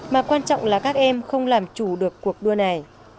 mà quan trọng là các em không làm chủ được cuộc đua này